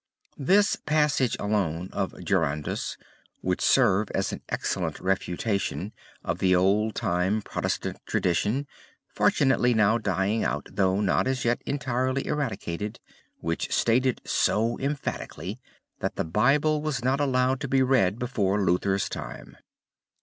This passage alone of Durandus would serve as an excellent refutation of the old time Protestant tradition, fortunately now dying out though not as yet entirely eradicated, which stated so emphatically that the Bible was not allowed to be read before Luther's time.